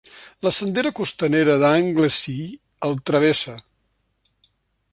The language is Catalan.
La sendera costanera d'Anglesey el travessa.